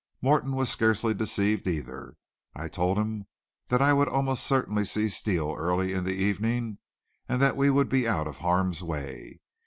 Morton was scarcely deceived either. I told him that I would almost certainly see Steele early in the evening and that we would be out of harm's way.